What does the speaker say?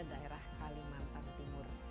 daerah kalimantan timur